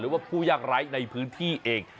ว่าผู้ยากไร้ในพื้นที่เอง